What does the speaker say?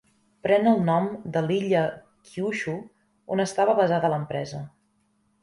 Pren el nom de l'illa Kyushu, on estava basada l'empresa.